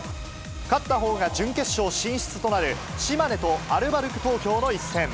勝ったほうが準決勝進出となる、島根とアルバルク東京の一戦。